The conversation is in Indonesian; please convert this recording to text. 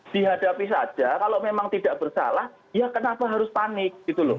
dihadapi saja kalau memang tidak bersalah ya kenapa harus panik gitu loh